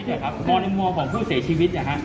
ห่วงพ่อห่วงของผู้เสียชีวิตนะฮะ